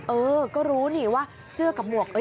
เออก็รู้นี่ว่าเสื้อกับหมวก